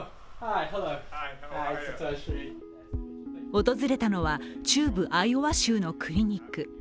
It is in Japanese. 訪れたのは中部アイオア州のクリニック。